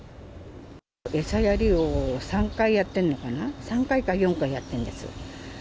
餌やりを３回やってるのかな、３回か４回やってるんです。